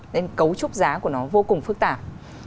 nên cấu trúc giá của nó vô cùng phức tạp